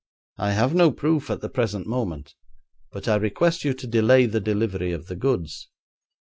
'I have no proof at the present moment, but I request you to delay the delivery of the goods.'